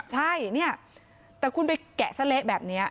ใช่แต่คุณไปแกะสละแบบนี้